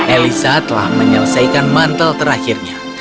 elisa telah menyelesaikan mantel terakhirnya